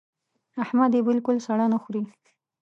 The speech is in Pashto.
احمد يې بالکل سړه نه خوري.